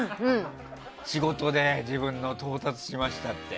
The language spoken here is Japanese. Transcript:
仕事で到達しましたって。